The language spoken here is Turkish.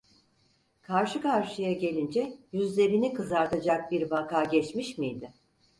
Karşı karşıya gelince yüzlerini kızartacak bir vaka geçmiş miydi?